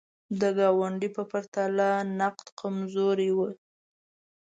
د ګاونډیو په پرتله د نقد کمزوري وه.